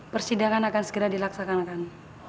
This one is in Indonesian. persidangan akan segera dilaksanakan